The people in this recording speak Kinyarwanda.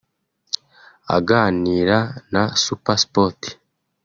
Aganira na Supersport